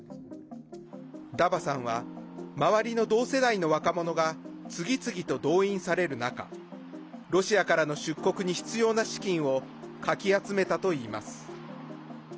ダバさんは周りの同世代の若者が次々と動員される中ロシアからの出国に必要な資金をかき集めたといいます。